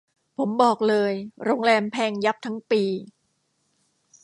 ผมบอกเลยโรงแรมแพงยับทั้งปี